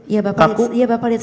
iya bapak lihat sendiri